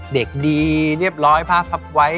เด็กดีเรียบร้อยพระพับไว้